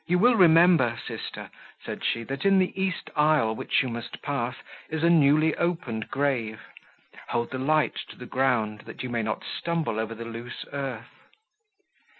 "You will remember, sister," said she, "that in the east aisle, which you must pass, is a newly opened grave; hold the light to the ground, that you may not stumble over the loose earth."